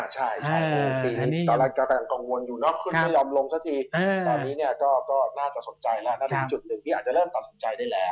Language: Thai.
ใช่ตอนนี้ก็น่าจะสนใจแล้วนักมนุษย์จุดหนึ่งอาจจะเริ่มตัดสินใจได้แล้ว